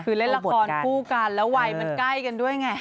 คือเล่นละครคู่กันแล้ววัยมันใกล้กันด้วยไง